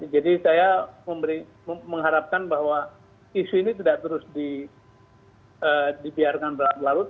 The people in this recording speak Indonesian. jadi saya mengharapkan bahwa isu ini tidak terus dibiarkan berlarut